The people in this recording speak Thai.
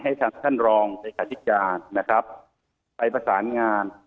ให้ท่านท่านรองในขณะที่จานนะครับไปประสานงาน